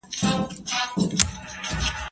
زه اوس د لوبو لپاره وخت نيسم!؟